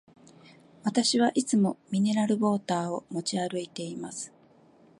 私はいつもミネラルウォーターを持ち歩いています。